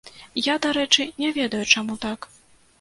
Я, дарэчы, не ведаю, чаму так.